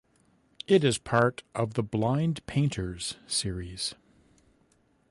It is part of the "Blind Painters" series.